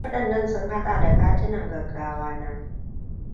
Waɗannan sun haɗa da katunan gaggawa na: